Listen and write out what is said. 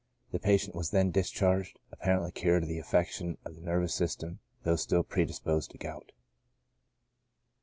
The patient was then discharged, apparently cured of the affection of the nervous system, though still predisposed to gout.